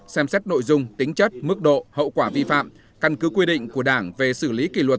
xem xét nội dung tính chất mức độ hậu quả vi phạm căn cứ quy định của đảng về xử lý kỷ luật